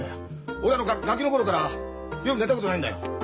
俺ガキの頃から夜寝たことないんだよ。